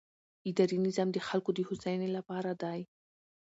اداري نظام د خلکو د هوساینې لپاره دی.